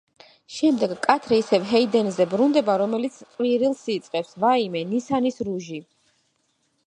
შემდეგ კადრი ისევ ჰეიდენზე ბრუნდება, რომელიც ყვირილს იწყებს: „ვაიმე, ნისანის რუჟი!